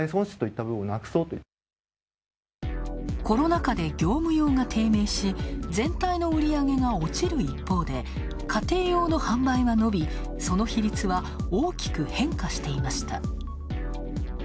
コロナ禍で業務用が低迷し全体の売り上げが落ちる一方で家庭用の販売が伸び、その比率は大きく変化していました。